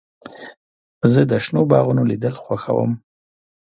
زه د شنو باغونو لیدل خوښوم.